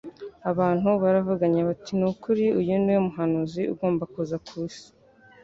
Abantu baravuganye bati : «Ni ukuri uyu ni we muhanuzi ugomba kuza ku isi ».